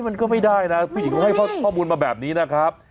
มันก็ไม่ได้นะผู้หญิงเขาให้ข้อมูลมาแบบนี้นะครับ